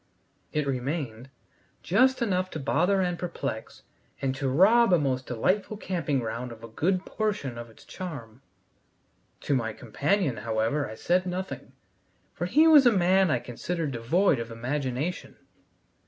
It remained, just enough to bother and perplex, and to rob a most delightful camping ground of a good portion of its charm. To my companion, however, I said nothing, for he was a man I considered devoid of imagination.